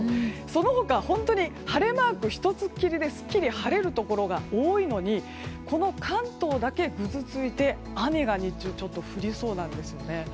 その他は本当に晴れマーク１つきりで、すっきり晴れるところが多いのにこの関東だけぐずついて雨が日中、ちょっと降りそうなんですね。